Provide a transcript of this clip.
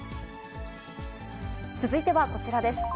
続いてはこちらです。